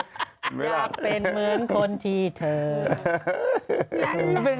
อยากเป็นเหมือนคนที่เธอ